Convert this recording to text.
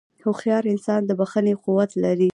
هوښیار انسان د بښنې قوت لري.